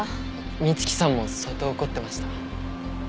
美月さんも相当怒ってました。